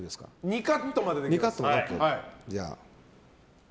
２カットまでです。